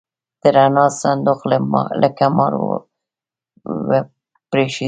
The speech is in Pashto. د رڼا صندوق لکه مار وپرشېده.